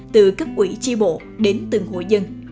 từ cấp ủy chi bộ đến từng hội dân